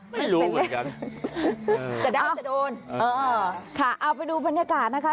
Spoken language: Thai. ไม่รู้เหมือนกันจะได้จะโดนเออค่ะเอาไปดูบรรยากาศนะคะ